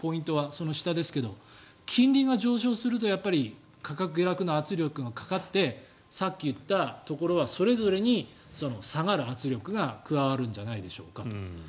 その下ですが、金利が上昇するとやっぱり価格下落の圧力がかかってさっき言ったところはそれぞれに下がる圧力が加わるんじゃないでしょうかと。